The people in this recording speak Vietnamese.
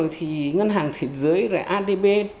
thì ngân hàng thế giới rồi adb